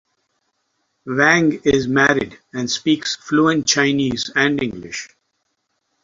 Wang is married and speaks fluent Chinese and English.